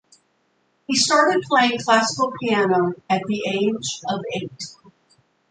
He started playing classical piano at the age of eight.